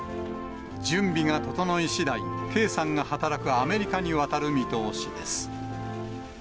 準備が整いしだい、圭さんが働くアメリカに渡る見通しです。